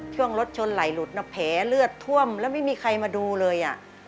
ช่วงรถชนไหลหลุดนะแผลเลือดท่วมแล้วไม่มีใครมาดูเลย